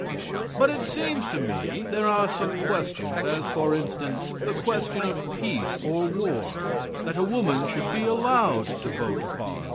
But it seems to me there are some questions, as for instance, the question of peace or war, that a woman should be allowed to vote upon.